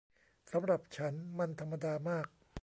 สำหรับฉันมันธรรมดามาก